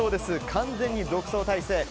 完全に独走態勢。